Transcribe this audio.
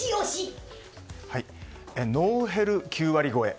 ノーヘル９割超え。